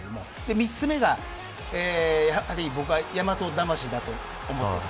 ３つ目はやはり大和魂だと思っています。